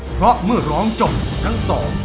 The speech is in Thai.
เพราะเมื่อร้องจบทั้งสอง